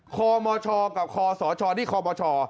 คมชกับคศนี่คบช